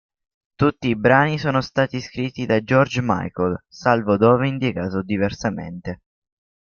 Tutti i brani sono stati scritti da George Michael, salvo dove indicato diversamente.